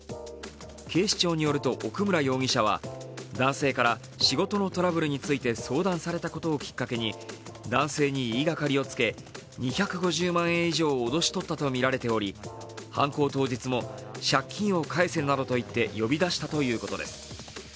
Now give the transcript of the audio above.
警視庁によると奥村容疑者は男性から、仕事のトラブルについて相談されたことをきっかけに男性に言いがかりをつけ、２５０万円以上を脅し取ったとみられており犯行当日も借金を返せなどと言って呼び出したということです。